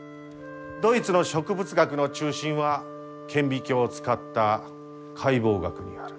ドイツの植物学の中心は顕微鏡を使った解剖学にある。